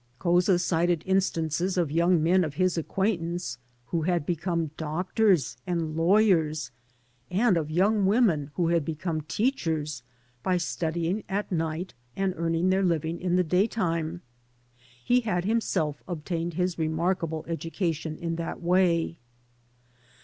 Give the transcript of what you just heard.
Couza cited instances of young men of his ac quaintance who had become doctors and lawyers, and of young women who had become teachers by studying at night and earning their living' in the daytime. He had himself obtained his remarkable education in that way.